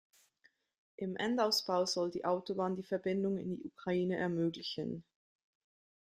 Im Endausbau soll die Autobahn die Verbindung in die Ukraine ermöglichen.